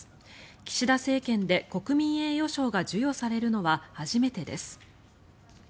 岸田政権で、国民栄誉賞が授与されるのは初めてです。